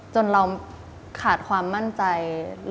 จนเราขาดความมั่นใจ